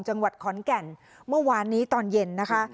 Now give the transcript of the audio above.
จังหวัดขอนแก่นเมื่อวานนี้ตอนเย็นนะคะ